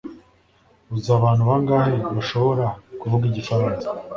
Uzi abantu bangahe bashobora kuvuga igifaransa